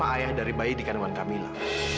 ayah dari bayi di kandungan kamila